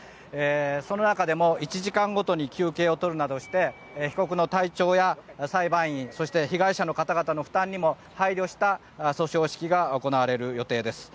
その中でも１時間ごとに休憩を取るなどして被告の体調や裁判員そして被害者の方々の負担にも配慮した訴訟指揮が行われる予定です。